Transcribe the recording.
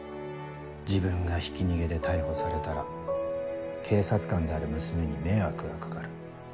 自分がひき逃げで逮捕されたら警察官である娘に迷惑が掛かる。